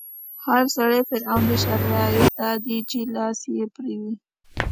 هر سړی فرعون دی، شرط دا دی چې لاس يې بر وي